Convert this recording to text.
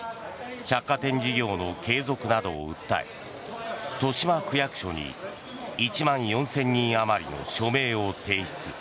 百貨店事業の継続などを訴え豊島区役所に１万４０００人あまりの署名を提出。